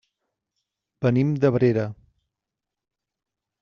Venim d'Abrera.